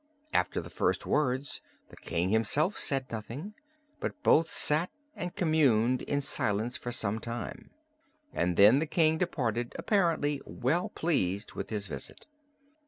After the first words the King himself said nothing, but both sat and communed in silence for some time, and then the King departed apparently well pleased with his visit.